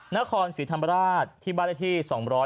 นครสิทธิ์ธรรมราชที่บรรยาที่๒๑๒